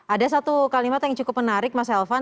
ada satu kalimat yang cukup menarik mas elvan